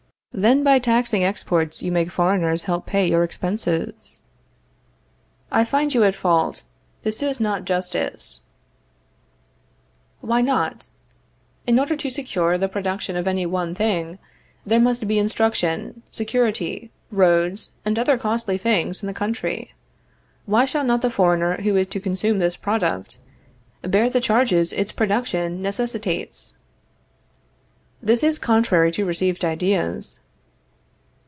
Then by taxing exports you make foreigners help pay your expenses. I find you at fault, this is not justice. Why not? In order to secure the production of any one thing, there must be instruction, security, roads, and other costly things in the country. Why shall not the foreigner who is to consume this product, bear the charges its production necessitates? This is contrary to received ideas.